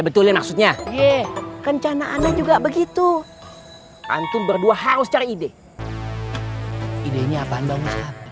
betulin maksudnya eh rencana anda juga begitu antum berdua harus cari ide idenya apaan bangsa